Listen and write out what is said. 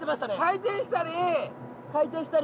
回転したり。